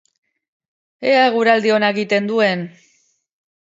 Ea eguraldi ona egiten duen!